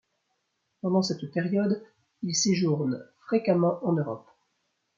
Pendant cette période, il séjourne fréquemment en Europe.